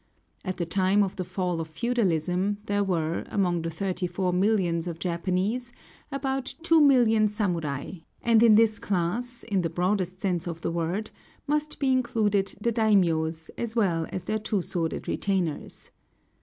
At the time of the fall of feudalism, there were, among the thirty four millions of Japanese, about two million samurai; and in this class, in the broadest sense of the word, must be included the daimiōs, as well as their two sworded retainers.